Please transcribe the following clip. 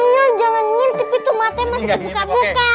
onyol jangan ngintip itu matanya masih dibuka buka